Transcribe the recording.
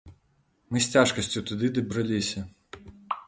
Мы з цяжкасцю туды дабраліся.